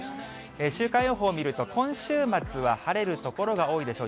週間予報を見ると今週末は晴れる所が多いでしょう。